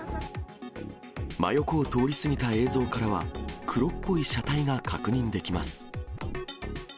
真横を通り過ぎた映像からは、黒っぽい車体が確認できます。